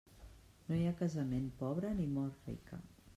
No hi ha casament pobre ni mort rica.